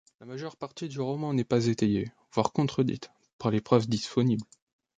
La majeure partie du roman n'est pas étayée, voire contredite, par les preuves disponibles.